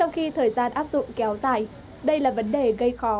kéo dài đây là vấn đề gây khó